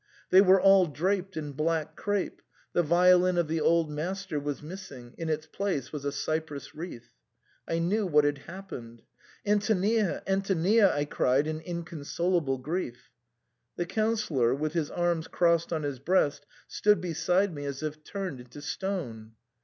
They were all draped in black crape ; the violin of the old master was miss ing ; in its place was a cypress wreath. I knew what had happened. "Antonia! Antonia!" I cried in in consolable grief. The Councillor, with his arms crossed on his breast, stood beside me, as if turned into stone.